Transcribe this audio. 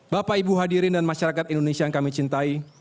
bapak ibu hadirin dan masyarakat indonesia yang kami cintai